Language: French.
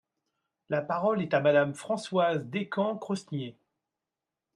La parole est à Madame Françoise Descamps-Crosnier.